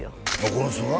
この人が？